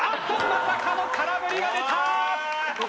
まさかの空振りが出た！